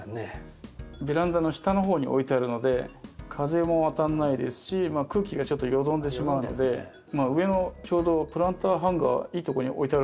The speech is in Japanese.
ベランダの下のほうに置いてあるので風も当たらないですし空気がちょっとよどんでしまうので上のちょうどプランターハンガーいいとこに置いてあるんですけど。